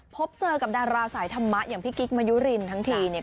พบเจอกับดาราสายธรรมะอย่างพี่กิ๊กมายุรินทั้งทีเนี่ย